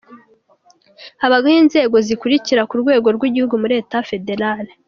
Habaho inzego zikurikira kurwego rw’igihugu muri État Fédéral :